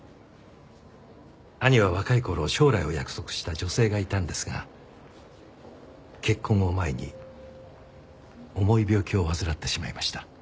兄は若い頃将来を約束した女性がいたんですが結婚を前に重い病気を患ってしまいました。